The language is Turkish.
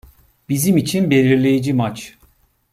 Bizim için belirleyici maç.